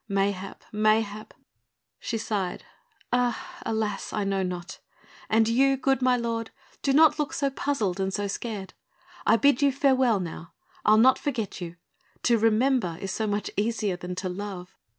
Mayhap! mayhap!" she sighed, "alas! I know not! and you, good my lord, do not look so puzzled and so scared. I bid you farewell now. I'll not forget you; to remember is so much easier than to love."